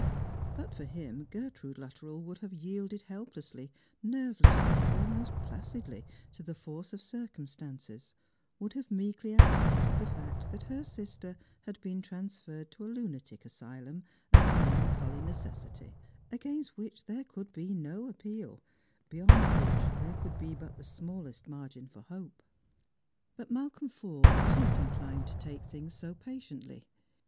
But for him Gertrude Luttrell would have yielded helplessly, nervelessly, almost placidly to the force of circumstances — would have meekly accepted the fact that her sister had been transferred to a lunatic asylum as a melancholy necessity, against which there could be no appeal, Strangers and Pilgrims. 3G1 beyond wliicli there could be but tbe smallest margin for hope. But Malcolme Ford was not inclined to take things so patiently.